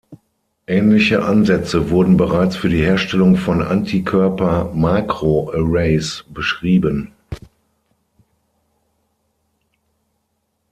Ähnliche Ansätze wurden bereits für die Herstellung von Antikörper-Makroarrays beschrieben.